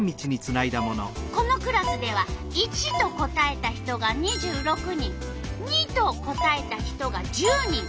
このクラスでは①と答えた人が２６人②と答えた人が１０人。